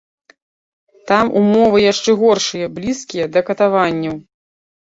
Там умовы яшчэ горшыя, блізкія да катаванняў.